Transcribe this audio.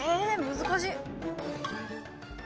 難しい！